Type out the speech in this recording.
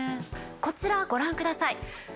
こちらご覧ください。